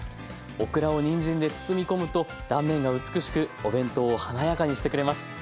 オクラをにんじんで包み込むと断面が美しくお弁当を華やかにしてくれます。